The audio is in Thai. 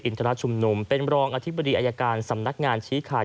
ทรชุมนุมเป็นรองอธิบดีอายการสำนักงานชี้ขาด